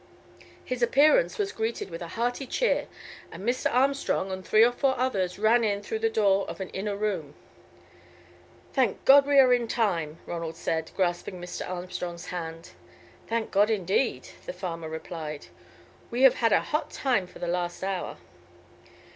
His appearance was greeted with a hearty cheer, and Mr. Armstrong and three or four others ran in through the door of an inner room. "Thank God we are in time," Ronald said, grasping Mr. Armstrong's hand. "Thank God, indeed," the farmer replied. "We have had a hot time for the last hour."